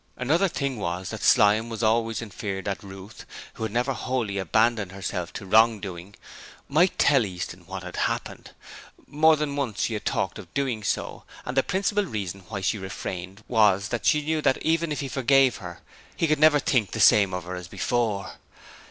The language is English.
Another thing was that Slyme was always in fear that Ruth who had never wholly abandoned herself to wrongdoing might tell Easton what had happened; more than once she had talked of doing so, and the principal reason why she refrained was that she knew that even if he forgave her, he could never think the same of her as before.